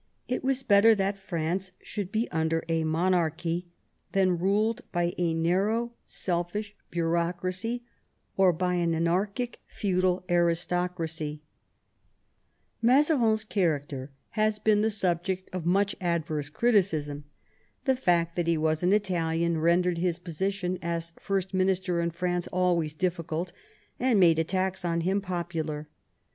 It was better that France should be under a monarchy than ruled by a narrow, selfish bureaucracy or by an anarchie, feudal aristocracy. 166 MAZARIN chap. Mazarin's character has been the subject of much adverse criticism. The fact that he was an Italian rendered his position as First Minister in France always difficulty and made attacks on him popular.